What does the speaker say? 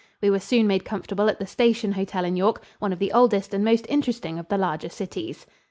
We were soon made comfortable at the Station Hotel in York, one of the oldest and most interesting of the larger cities.